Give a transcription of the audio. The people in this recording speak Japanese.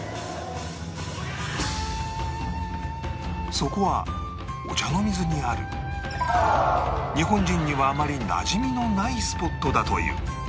そこはお茶の水にある日本人にはあまりなじみのないスポットだという